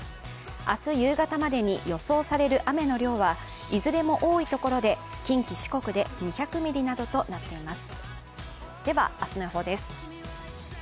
明日夕方までに予想される雨の量はいずれも多いところで近畿・四国で２００ミリなどとなっています。